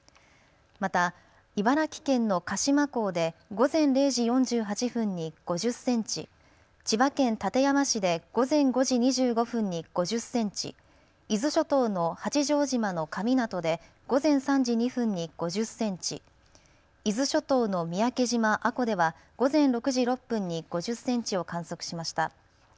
また、茨城県の鹿島港で午前０時４８分に５０センチ、千葉県館山市で午前５時２５分に５０センチ、伊豆諸島の八丈島の神湊で午前３時２分に５０センチ、伊豆諸島の三宅島阿古では午前６時６分に５０センチを観測しました。